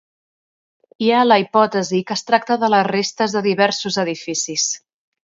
Hi ha la hipòtesi que es tracta de les restes de diversos edificis.